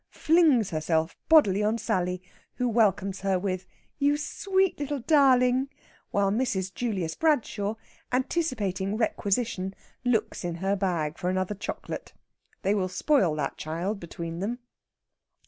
flings herself bodily on Sally, who welcomes her with, "You sweet little darling!" while Mrs. Julius Bradshaw, anticipating requisition, looks in her bag for another chocolate. They will spoil that child between them.